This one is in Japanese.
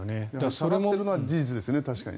下がっているのは事実ですよね。